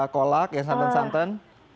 kolak ya santan santan